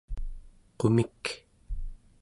qumik